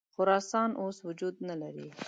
خراسان اوس وجود نه لري.